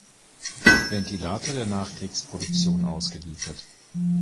Ventilator der Nachkriegsproduktion ausgeliefert.